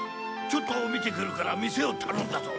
ちょっと見てくるから店を頼んだぞ。